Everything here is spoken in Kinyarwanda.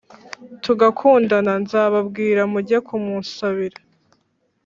tugakundana, nzababwira muge kumunsabira”.